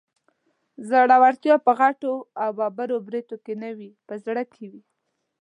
زړورتيا په غټو او ببرو برېتو کې نه وي، په زړه کې وي